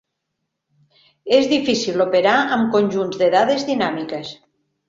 És difícil operar amb conjunts de dades dinàmiques.